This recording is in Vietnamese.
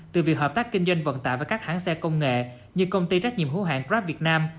từ việc hợp tác kinh doanh vận tải với các hãng xe công nghệ như công ty trách nhiệm hữu hạng grab việt nam